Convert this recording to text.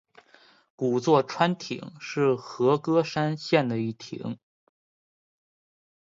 古座川町是和歌山县的一町。